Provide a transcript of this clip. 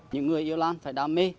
những người yêu lan phải đam mê